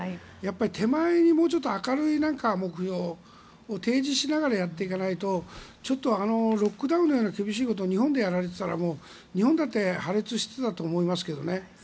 手前に何か明るい目標を提示しながらやっていかないとちょっとロックダウンのような厳しいことを日本でやられていたら日本だって破裂していたと思いますけどね。